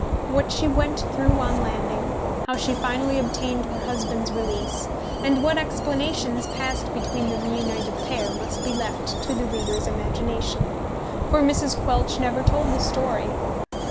What she went through on landing, how she finally obtained her husband's release, and what explanations passed between the reunited pair, must be left to the reader's imagination, for Mrs. Quelch never told the story.